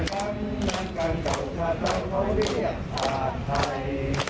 แต่ฟังมันกันเก่าขาดเท่าเขาเรียกภาคไทย